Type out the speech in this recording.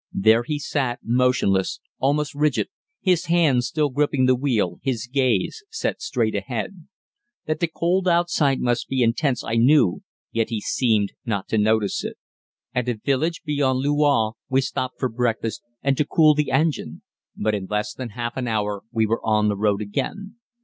There he sat, motionless, almost rigid, his hands still gripping the wheel, his gaze set straight ahead. That the cold outside must be intense, I knew, yet he seemed not to notice it. At a village beyond Louhans we stopped for breakfast, and to cool the engine; but in less than half an hour we were on the road again.